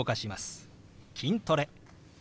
「筋トレ」。